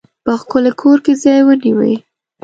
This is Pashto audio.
په ښکلي کور کې ځای ونیوی.